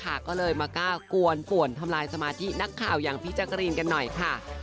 ก็เลยมาก้ากวนป่วนทำลายสมาธินักข่าวอย่างพี่แจ๊กรีนกันหน่อยค่ะ